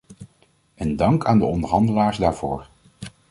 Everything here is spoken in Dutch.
En dank aan de onderhandelaars daarvoor.